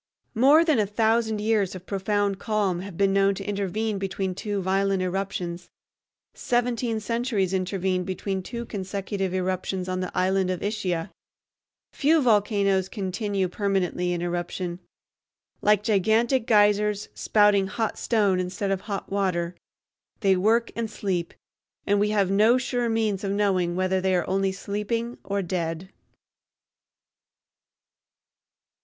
More than a thousand years of profound calm have been known to intervene between two violent eruptions. Seventeen centuries intervened between two consecutive eruptions on the island of Ischia. Few volcanoes continue permanently in eruption. Like gigantic geysers, spouting hot stone instead of hot water, they work and sleep, and we have no sure means of knowing whether they are only sleeping or dead.